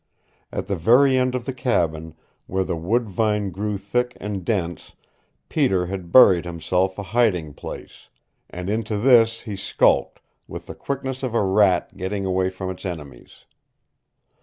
At the very end of the cabin, where the wood vine grew thick and dense, Peter had burrowed himself a hiding place, and into this he skulked with the quickness of a rat getting away from its enemies.